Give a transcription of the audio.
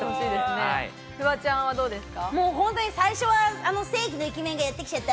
フワちゃん、どうですか？